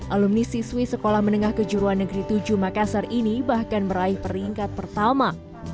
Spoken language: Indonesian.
alumni siswi sekolah menengah kejuruan negeri tujuh makassar ini bahkan meraih peringkat pertama